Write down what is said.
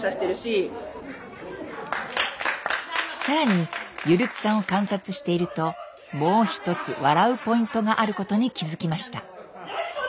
更にゆるつさんを観察しているともう一つ笑うポイントがあることに気付きました。